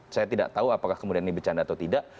saya tidak tahu apakah kemudian ini bercanda atau tidak